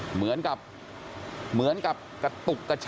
เหมือนกายังกับกระตุกกระเฉส